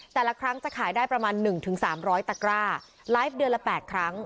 แต่ละครั้งจะขายได้ประมาณ๑๓๐๐ตะกร้าไลฟ์เดือนละ๘ครั้ง